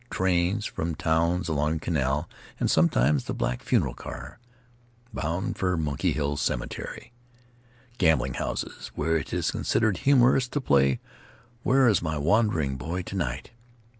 Trains from towns along the Canal, and sometimes the black funeral car, bound for Monkey Hill Cemetery. Gambling houses where it is considered humorous to play "Where Is My Wandering Boy To night?"